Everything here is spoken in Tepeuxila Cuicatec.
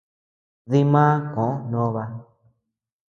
Dimá koʼö Nóba.